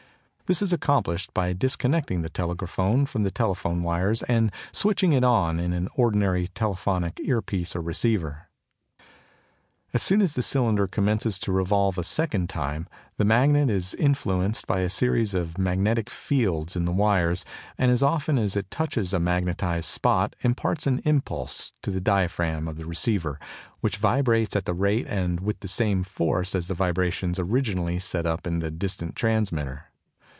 This is accomplished by disconnecting the telegraphone from the telephone wires and switching it on to an ordinary telephonic earpiece or receiver. As soon as the cylinder commences to revolve a second time, the magnet is influenced by the series of magnetic "fields" in the wires, and as often as it touches a magnetised spot imparts an impulse to the diaphragm of the receiver, which vibrates at the rate and with the same force as the vibrations originally set up in the distant transmitter.